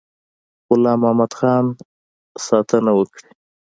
غلام محمدخان ساتنه وکړي.